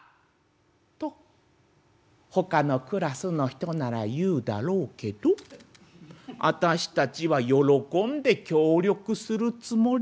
「とほかのクラスの人なら言うだろうけどあたしたちは喜んで協力するつもり」。